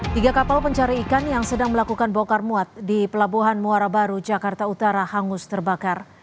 tiga kapal pencari ikan yang sedang melakukan bokar muat di pelabuhan muara baru jakarta utara hangus terbakar